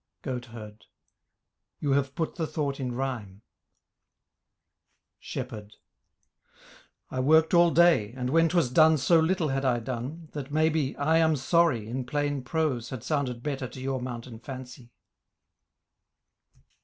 GOATHERD You have put the thought in rhyme. SHEPHERD I worked all day And when 'twas done so little had I done That maybe 'I am sorry' in plain prose Had sounded better to your mountain fancy.